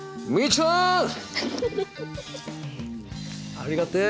ありがてえ。